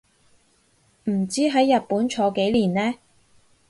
唔知喺日本坐幾年呢